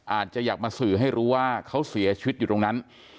อาจจะอยากมาสื่อให้รู้ว่าเขาเสียชีวิตอยู่ตรงนั้น